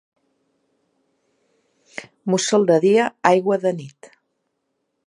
Mussol de dia, aigua de nit.